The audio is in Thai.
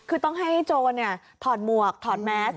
คือต้องให้โจรถอดหมวกถอดแมส